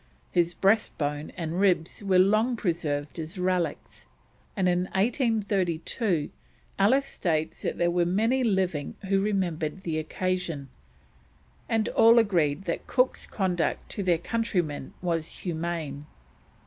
His breastbone and ribs were long preserved as relics, and in 1832 Ellis states there were many living who remembered the occasion, and all agreed that Cook's conduct to their countrymen was humane.